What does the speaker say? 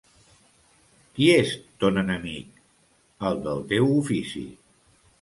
Qui és ton enemic? El del teu ofici.